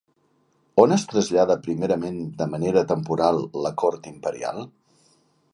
On es trasllada primerament de manera temporal la cort imperial?